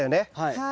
はい。